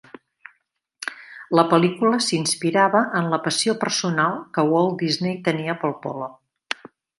La pel·lícula s'inspirava en la passió personal que Walt Disney tenia pel polo